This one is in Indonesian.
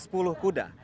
lebih dari sepuluh kuda